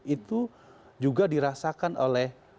itu juga dirasakan oleh